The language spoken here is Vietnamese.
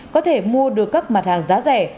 có thể mua được các mặt hàng giá rẻ